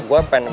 oh apaan sih